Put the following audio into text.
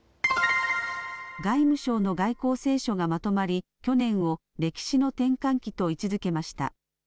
外務省の外交青書がまとまり去年を歴史の転換期と位置づけました。